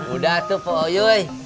udah tuh pak ouyuy